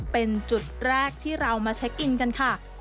เป็นจุดแรกที่เรามาเช็คอินกันค่ะ